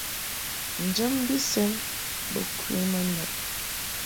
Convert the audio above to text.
Njam bi sɛn bo kwe ma ndab.